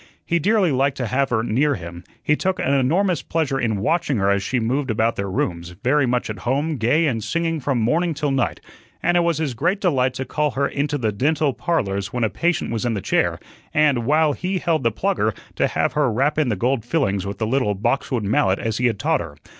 He dearly liked to have her near him, he took an enormous pleasure in watching her as she moved about their rooms, very much at home, gay and singing from morning till night; and it was his great delight to call her into the "Dental Parlors" when a patient was in the chair and, while he held the plugger, to have her rap in the gold fillings with the little box wood mallet as he had taught her.